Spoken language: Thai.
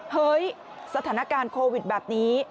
เฮ้ยสถานการณ์โควิดแบบนี้